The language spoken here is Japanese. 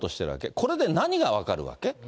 これで何が分かるわけ？